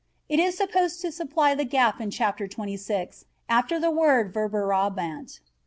It is supposed to supply the gap in Chapter 26 after the word "verberabant."